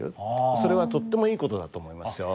それはとってもいい事だと思いますよ。